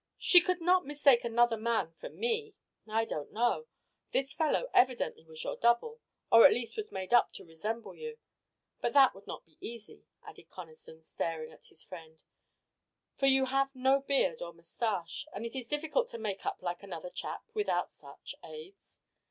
"She could not mistake another man for me." "I don't know. This fellow evidently was your double, or at least was made up to resemble you. But that would not be easy," added Conniston, staring at his friend, "for you have no beard or mustache, and it is difficult to make up like another chap without such aids.